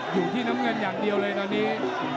อยู่ที่น้ำเงินอย่างเดียวเลยตอนนี้